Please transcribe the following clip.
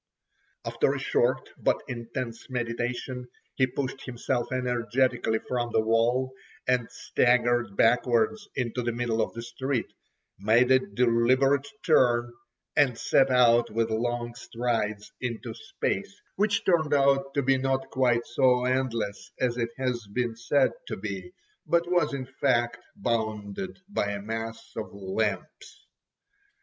After a short but intense meditation he pushed himself energetically from the wall, and staggered backwards into the middle of the street, made a deliberate turn, and set out with long strides into space, which turned out to be not quite so endless as it has been said to be, but was in fact bounded by a mass of lamps.